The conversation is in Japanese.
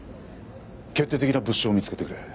決定的な物証を見つけてくれ。